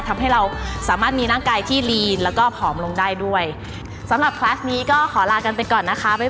ทำให้เราสามารถมีร่างกายที่ลีนแล้วก็ผอมลงได้ด้วยสำหรับคลัสนี้ก็ขอลากันไปก่อนนะคะ